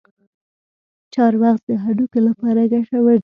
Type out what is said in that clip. چارمغز د هډوکو لپاره ګټور دی.